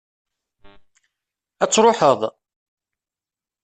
Ad truḥeḍ?